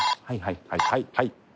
はいはいはい。